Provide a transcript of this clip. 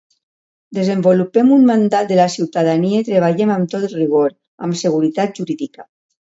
Desenvolupem un mandat de la ciutadania i treballem amb tot rigor, amb seguretat jurídica.